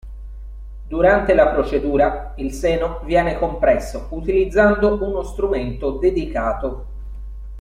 Durante la procedura, il seno viene compresso utilizzando uno strumento dedicato.